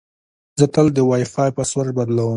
زه تل د وای فای پاسورډ بدلوم.